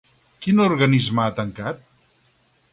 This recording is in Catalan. Quin organisme ha tancat?